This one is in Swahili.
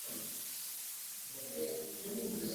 na ukmco united kingdom maritime organisation